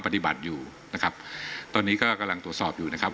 ปฏิบัติอยู่นะครับตอนนี้ก็กำลังตรวจสอบอยู่นะครับ